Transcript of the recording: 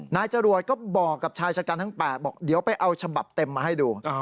นายจรวดก็บอกกับชายชะกันทั้ง๘บอกเดี๋ยวไปเอาฉบับเต็มมาให้ดู